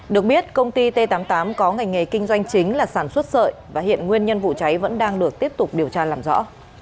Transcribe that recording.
được biết công ty t tám mươi tám có ngành nghề kinh doanh chính là sản xuất sợi và hiện nguyên nhân vụ cháy vẫn đang được tiếp tục điều tra làm rõ